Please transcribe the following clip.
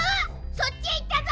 そっちへいったぞ！